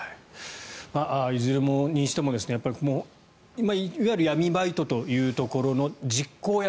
いずれにしても、いわゆる闇バイトというところの実行役